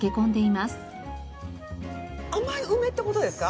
甘い梅って事ですか？